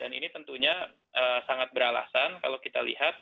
dan ini tentunya sangat beralasan kalau kita lihat